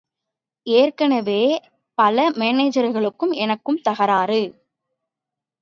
ஏற்கனவே, பல மானேஜர்களுக்கும் எனக்கும் தகராறு.